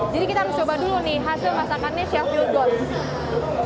jadi kita harus coba dulu nih hasil masakannya chef lugos